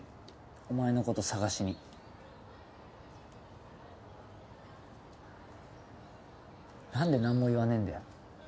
お前のこと探しに何で何も言わねえんだよ